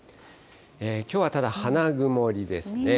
きょうはただ、花曇りですね。